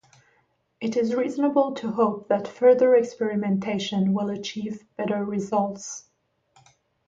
It is reasonable to hope that further experimentation will achieve better results.